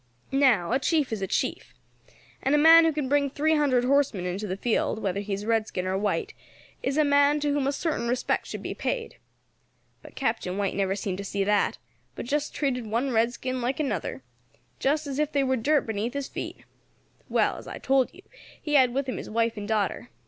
"Now, a chief is a chief, and a man who can bring three hundred horsemen into the field, whether he is redskin or white, is a man to whom a certain respect should be paid. But Captain White never seemed to see that, but just treated one redskin like another, just as if they war dirt beneath his feet. Well, as I told you, he had with him his wife and daughter.